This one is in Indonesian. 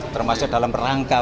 termasuk dalam rangka